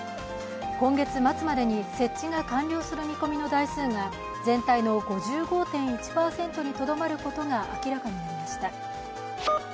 今月末までに設置が完了する見込みの台数が全体の５５．１％にとどまることが明らかになりました。